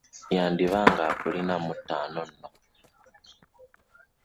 Yandiba ng'akulina mu ttaano nno.